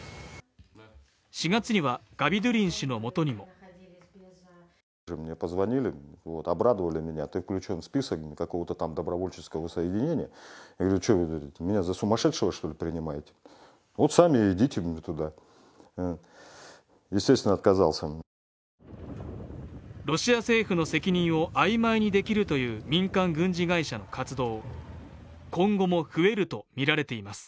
４月にはガビドゥリン氏のもとにもロシア政府の責任を曖昧にできるという民間軍事会社の活動今後も増えるとみられています